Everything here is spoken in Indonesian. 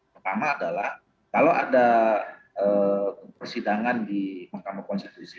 pertama adalah kalau ada persidangan di mahkamah konstitusi